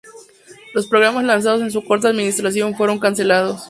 Los programas lanzados en su corta administración fueron cancelados.